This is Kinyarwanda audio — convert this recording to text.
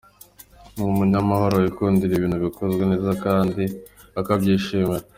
Ni umunyamahoro, wikundira ibintu bikozwe neza kandi akabyishimira.